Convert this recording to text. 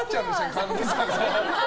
神田さん。